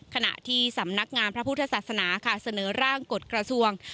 ขณะที่สำนักงานพระพุทธศาสนาค่ะเสนอร่างกฎกระทรวง